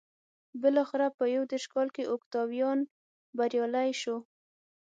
بلاخره په یو دېرش کال کې اوکتاویان بریالی شو